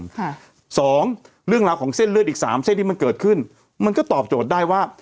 ค่ะสองเรื่องราวของเส้นเลือดอีกสามเส้นที่มันเกิดขึ้นมันก็ตอบโจทย์ได้ว่า